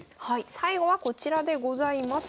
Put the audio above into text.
最後はこちらでございます。